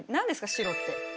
白って。